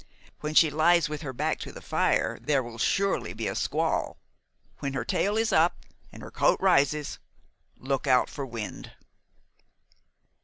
When she lies with her back to the fire, there will surely be a squall. When her tail is up and her coat rises, look out for wind."